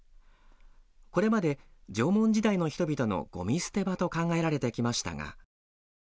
これまで縄文時代の人々のごみ捨て場と考えられてきましたが。